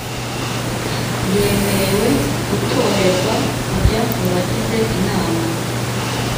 yemerewe gutorerwa kujya mu bagize inama